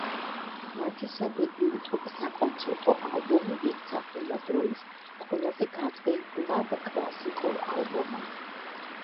მათი სადებიუტო საკონცერტო ალბომი იქცა ყველა დროის ყველაზე გაყიდვად კლასიკურ ალბომად.